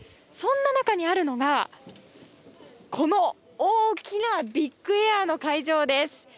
そんな中にあるのが、この大きなビッグエアの会場です。